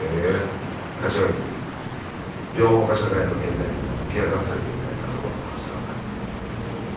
柏木君情報化社会の現代でも解き明かされていない謎はたくさんある。